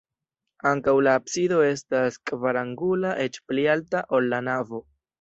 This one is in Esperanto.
Ankaŭ la absido estas kvarangula, eĉ pli alta, ol la navo.